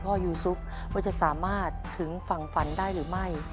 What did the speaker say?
ขอบคุณพ่อยูซุปว่าจะสามารถถึงฝังฝันได้หรือไม่